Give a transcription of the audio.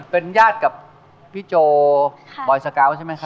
เป็นญาติกับพี่โจบอยสกาวใช่ไหมครับ